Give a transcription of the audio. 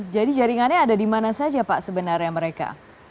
jadi jaringannya ada di mana saja pak sebenarnya mereka